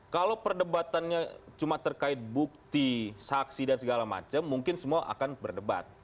kalau perdebatannya cuma terkait bukti saksi dan segala macam mungkin semua akan berdebat